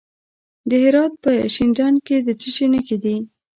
د هرات په شینډنډ کې د څه شي نښې دي؟